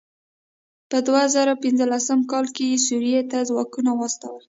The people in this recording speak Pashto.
په دوه زره پنځلسم کال کې یې سوريې ته ځواکونه واستول.